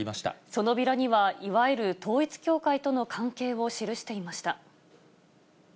そのビラには、いわゆる統一教会との関係を記していました。